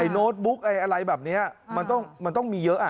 โน้ตบุ๊กอะไรแบบนี้มันต้องมีเยอะ